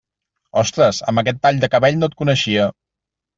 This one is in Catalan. Ostres, amb aquest tall de cabell no et coneixia.